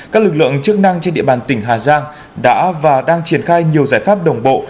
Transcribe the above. các lực lượng chức năng trên địa bàn tỉnh hà giang đã và đang triển khai nhiều giải pháp đồng bộ